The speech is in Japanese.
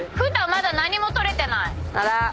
まだ何も取れてない。